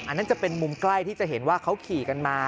นั่นจะเป็นมุมใกล้ที่จะเห็นว่าเขาขี่กันมา